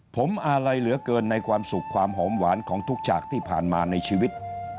ผมอาลัยเหลือเกินในความสุขความหอมหวานของทุกฉากที่ผ่านมาในชีวิต